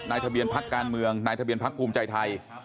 นายทะเบียนภักดิ์การเมืองนายทะเบียนภักดิ์ภักดิ์ภูมิใจไทย